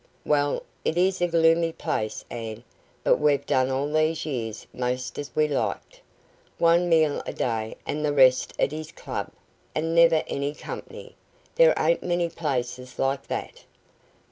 "Well, it is a gloomy place, Ann, but we've done all these years most as we liked. One meal a day and the rest at his club, and never any company. There ain't many places like that."